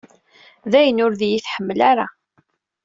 Dayen ur d-iyi-tḥemmel ara.